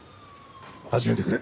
始めてくれ。